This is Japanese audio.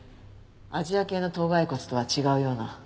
アジア系の頭蓋骨とは違うような。